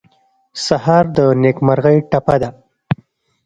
سهار د نېکمرغۍ ټپه ده.